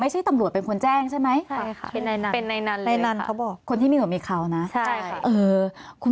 ไม่ใช่ตำรวจเป็นคนแจ้งใช่ไหม